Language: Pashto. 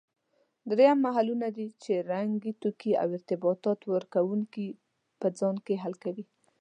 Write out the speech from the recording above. دریم محللونه دي چې رنګي توکي او ارتباط ورکوونکي په ځان کې حل کوي.